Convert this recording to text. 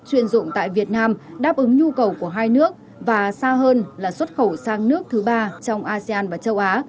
chuyên dụng tại việt nam đáp ứng nhu cầu của hai nước và xa hơn là xuất khẩu sang nước thứ ba trong asean và châu á